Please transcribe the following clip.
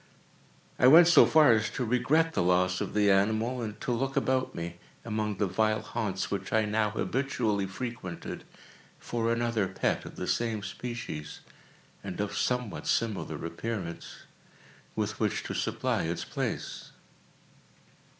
I went so far as to regret the loss of the animal, and to look about me, among the vile haunts which I now habitually frequented, for another pet of the same species, and of somewhat similar appearance, with which to supply its place.